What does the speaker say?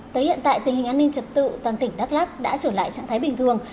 tới hiện tại tình hình an ninh trật tự toàn tỉnh đắk lắc đã trở lại trạng thái bình thường